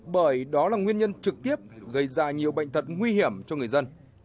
bởi đó là nguyên nhân trực tiếp gây ra nhiều bệnh thật nguy hiểm cho người dân